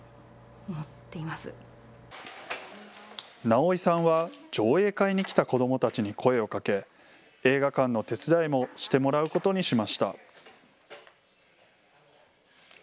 直井さんは上映会に来た子どもたちに声をかけ、映画館の手伝いもしてもらうことにしました。